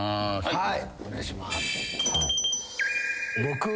はい。